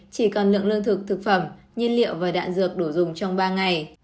chỉ còn lượng lương thực thực phẩm nhiên liệu và đạn dược đồ dùng trong ba ngày